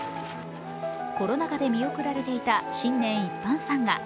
コロナ禍で見送られていた新年一般参賀。